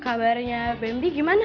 kabarnya bambi gimana